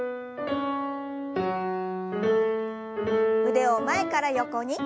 腕を前から横に。